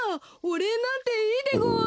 おれいなんていいでごわ。